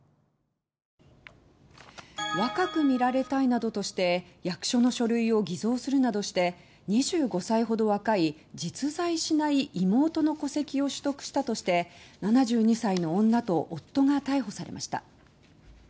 若く見られたいなどとして役所の書類を偽装するなどして２５歳ほど若い、実在しない妹の戸籍を取得したとして７２歳の女と夫が逮捕されました。